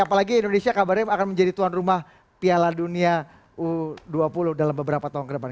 apalagi indonesia kabarnya akan menjadi tuan rumah piala dunia u dua puluh dalam beberapa tahun ke depan